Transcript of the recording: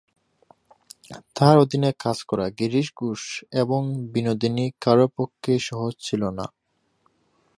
তাই তার অধীনে কাজ করা গিরিশ ঘোষ এবং বিনোদিনী কারও পক্ষেই সহজ ছিল না।